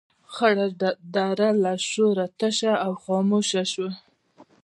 خړه دره له شوره تشه او خاموشه شوه.